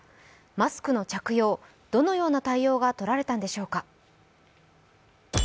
マスクの着用、どのような対応がとられたんでしょうか。